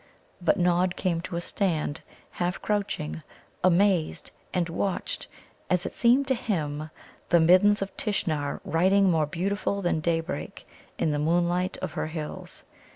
But Nod came to a stand, half crouching, amazed, and watched, as it seemed to him, the Middens of Tishnar riding more beautiful than daybreak in the moonlight of her hills.